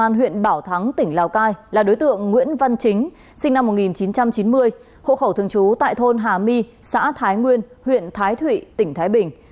công an huyện bảo thắng tỉnh lào cai là đối tượng nguyễn văn chính sinh năm một nghìn chín trăm chín mươi hộ khẩu thường trú tại thôn hà my xã thái nguyên huyện thái thụy tỉnh thái bình